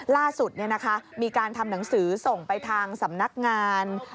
ล่าสุดมีการทำหนังสือส่งไปทางสำนักงาน